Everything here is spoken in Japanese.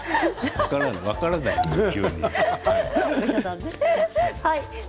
分からないのよ、急に。